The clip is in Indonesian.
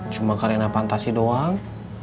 cuma karena fantasi doang